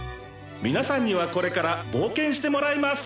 皆さんにはこれから冒険してもらいます。